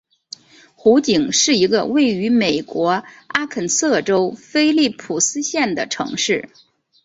湖景是一个位于美国阿肯色州菲利普斯县的城市。